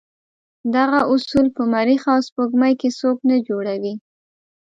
دغه اصول په مریخ او سپوږمۍ کې څوک نه جوړوي.